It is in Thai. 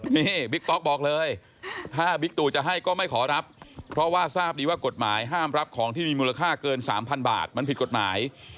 นี่บิ๊กป๊อกบอกเลยถ้าบิ๊กตู่จะให้ก็ไม่ขอรับเพราะว่าทราบดีว่ากฎหมายห้ามรับของที่มีมูลค่าเกิน๓๐๐บาทมันผิดกฎหมาย